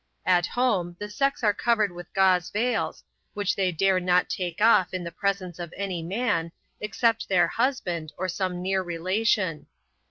At home, the sex are covered with gauze veils, which they dare not take off in the presence of any man, except their husband, or some near relation.